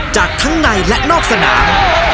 จากทั้งในและนอกสนาม